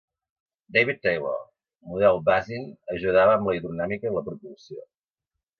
David Taylor Model Basin ajudava amb la hidrodinàmica i la propulsió.